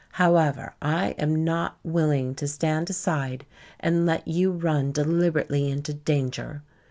However, I am not willing to stand aside and let you run deliberately into danger.